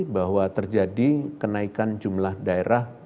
bahwa terjadi kenaikan jumlah daerah